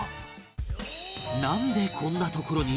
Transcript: なんでこんな所に？